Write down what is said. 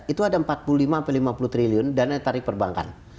itu ada empat puluh lima lima puluh triliun dana yang ditarik ke perbankan